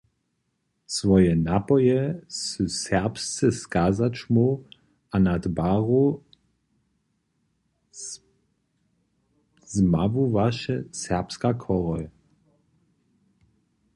Swoje napoje sy serbsce skazać móhł a nad baru zmawowaše serbska chorhoj.